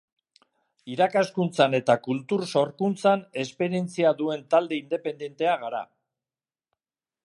Irakaskuntzan eta kultur sorkuntzan esperientzia duen talde independentea gara.